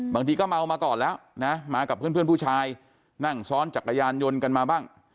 บางทีก็เมามาก่อนแล้วนะมากับเพื่อนผู้ชายนั่งซ้อนจักรยานยนต์กันมาบ้าง